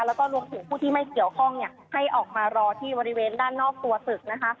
แล้วก็รวมถึงผู้ที่ไม่เกี่ยวข้องเนี่ยให้ออกมารอที่บริเวณด้านนอกตัวตึกนะคะ